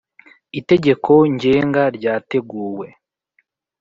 itegeko ngenga ryateguwe